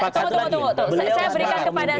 tunggu tunggu tunggu